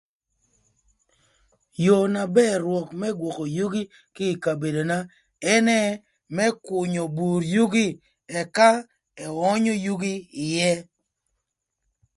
Yoo na bër rwök më gwökö yugi kï ï kabedona, ënë më künyö bur yugi ëka ëönyö yugi ïë.